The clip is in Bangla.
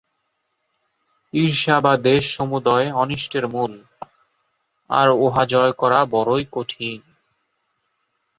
ঈর্ষা বা দ্বেষ সমুদয় অনিষ্টের মূল, আর উহা জয় করা বড়ই কঠিন।